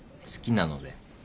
好きなので。